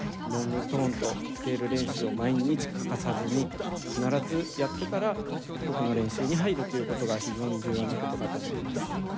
ロングトーンとスケール練習を毎日欠かさずに必ずやってから曲の練習に入るという事が非常に重要な事かと思います。